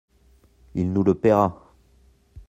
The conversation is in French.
«Il nous le paiera.